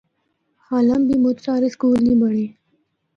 حالاں بھی مُچ سارے سکول نیں بنڑے۔